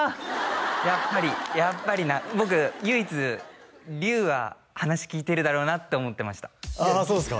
やっぱりやっぱりな僕唯一隆は話聞いてるだろうなと思ってましたああそうですか